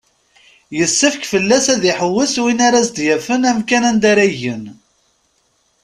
Yessefk fell-as ad iḥewwes win ara as-d-yafen amkan anda ara igen.